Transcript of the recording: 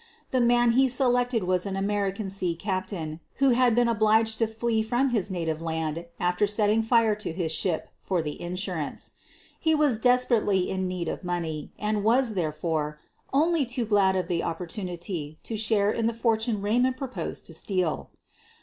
The man he selected was an American sea captain who had been obliged to flee from his native land after setting fire to his ship for the insurance. He was desperately in need of money and was, therefore, only too glad of the op portunity to share in the fortune Raymond proposed to steal.